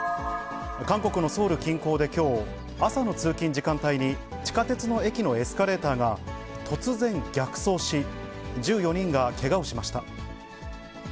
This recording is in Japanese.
韓国のソウル近郊できょう、朝の通勤時間帯に地下鉄の駅のエスカレーターが、突然逆走し、１４人がけがをしました。